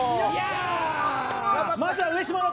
まずは上島の。